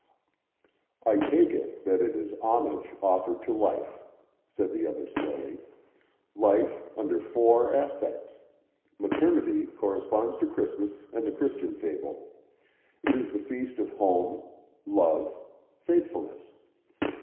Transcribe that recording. "I take it that it is homage offered to Life," said the other slowly. "Life under four aspects Maternity corresponds to Christmas and the Christian fable; it is the feast of home, love, faithfulness.